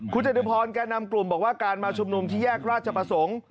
คุณจตุพรแก่นำกลุ่มบอกว่าการมาชุมนุมที่แยกราชประสงค์